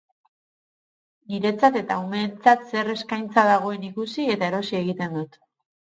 Niretzat eta umeentzat zer eskaintza dagoen ikusi, eta erosi egiten dut.